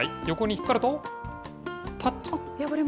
横に引っ張ると、ぱっと。